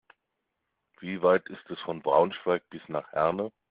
Wie weit ist es von Braunschweig bis nach Herne?